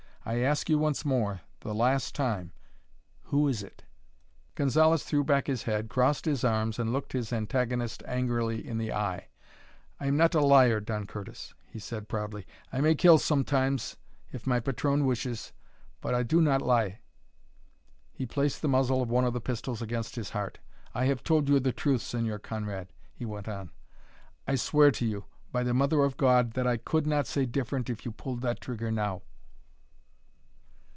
I ask you once more, the last time, who is it?" Gonzalez threw back his head, crossed his arms, and looked his antagonist angrily in the eye. "I am not a liar, Don Curtis," he said proudly. "I may kill sometimes, if my patron wishes. But I do not lie." He placed the muzzle of one of the pistols against his heart. "I have told you the truth, Señor Conrad," he went on. "I swear to you, by the Mother of God, that I could not say different if you pulled that trigger now."